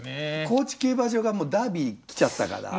高知競馬場がもう「ダービー」きちゃったから。